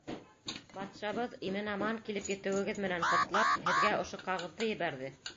— Батшабыҙ, имен-аман килеп етеүегеҙ менән ҡотлап, һеҙгә ошо ҡағыҙҙы ебәрҙе.